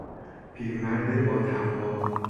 پیرمرد باتقوا